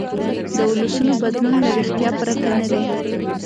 د ولسونو بدلون له ویښتیا پرته نه دی.